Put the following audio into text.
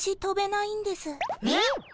えっ。